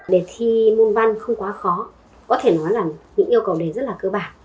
đề thi môn văn không quá khó có thể nói là những yêu cầu đề rất là cơ bản